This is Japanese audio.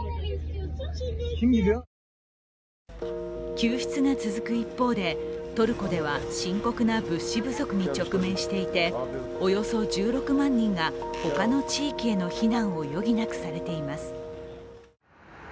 救出が続く一方でトルコでは深刻な物資不足に直面していておよそ１６万人が他の地域への避難を余儀なくされています。